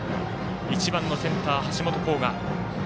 １番のセンター、橋本航河。